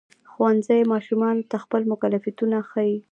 ښوونځی ماشومانو ته خپل مکلفیتونه ښيي.